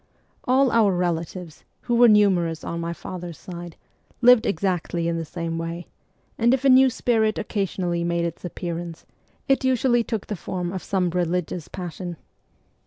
All our relatives, who were numerous on my father's side, lived exactly in the same way : and if a new spirit occasionally made its appearance, it usually took the form of some religious passion.